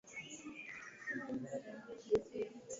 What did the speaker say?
filamu inaelezea hadithi iliyotungwa na mwandishi